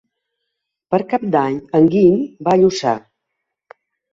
Per Cap d'Any en Guim va a Lluçà.